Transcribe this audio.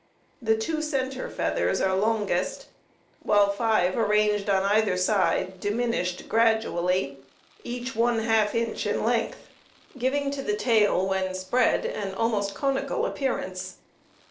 The two center feathers are longest, while five arranged on either side diminished gradually each one half inch in length, giving to the tail when spread an almost conical appearance.